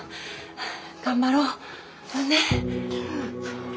頑張ろうね。